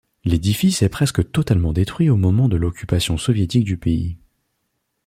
L'édifice est presque totalement détruit au moment de l'occupation soviétique du pays.